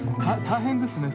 大変ですね。